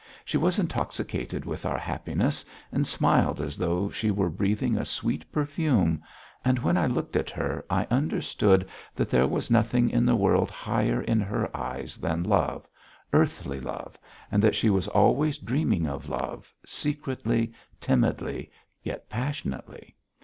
She was intoxicated with our happiness and smiled as though she were breathing a sweet perfume, and when I looked at her I understood that there was nothing in the world higher in her eyes than love, earthly love, and that she was always dreaming of love, secretly, timidly, yet passionately.